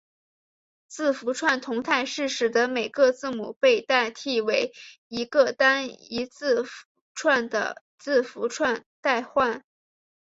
字符串同态是使得每个字母被替代为一个单一字符串的字符串代换。